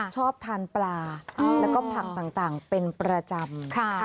ชอบทานปลาแล้วก็ผักต่างเป็นประจำ